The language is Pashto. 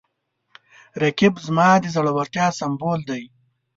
رقیب زما د زړورتیا سمبول دی